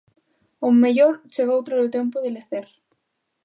O mellor chegou tralo tempo de lecer.